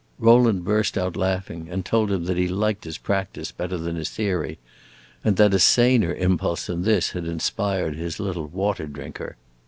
Rowland burst out laughing and told him that he liked his practice better than his theory, and that a saner impulse than this had inspired his little Water drinker.